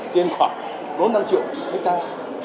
trên khoảng bốn mươi năm triệu hectare